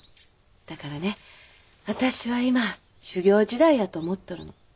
だからね私は今修業時代やと思っとるの。